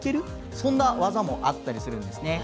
そんな技もあったりするんですね。